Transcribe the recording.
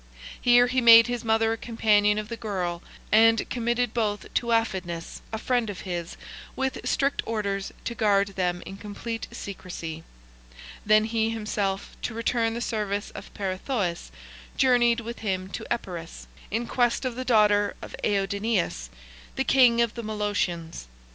Here he made his mother a companion of the girl, and committed both to Aphidnus, a friend of his, with strict orders to guard them in complete secrecy. Then he himself, to return the service of Peirithoiis, journeyed with him to Epirus, in quest of the daughter of Aidoneus the king of the Molossians.